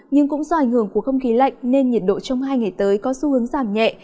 nhưng cũng do ảnh hưởng của không khí lạnh nên nhiệt độ trong hai ngày tới có xu hướng giảm nhẹ